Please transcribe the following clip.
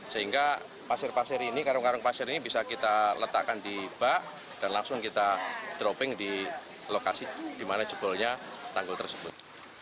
sehingga pasir pasir ini karung karung pasir ini bisa kita letakkan di bak dan langsung kita dropping di lokasi di mana jebolnya tanggul tersebut